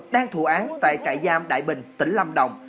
đang thụ án tại trại giam đại bình tỉnh lâm đồng